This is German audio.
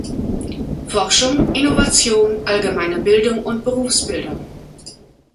Forschung, Innovation, allgemeine Bildung und Berufsbildung.